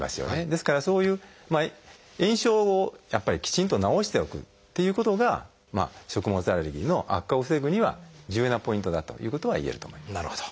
ですからそういう炎症をやっぱりきちんと治しておくっていうことが食物アレルギーの悪化を防ぐには重要なポイントだということがいえると思います。